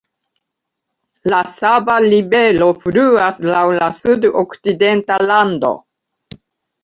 La Sava Rivero fluas laŭ la sudokcidenta rando.